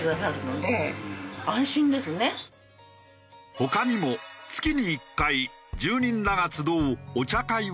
他にも月に１回住人らが集うお茶会を開催。